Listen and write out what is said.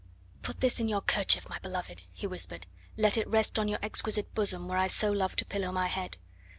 "Put this in your kerchief, my beloved," he whispered. "Let it rest on your exquisite bosom where I so love to pillow my head.